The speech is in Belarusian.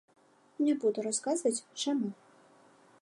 Не буду расказваць, чаму.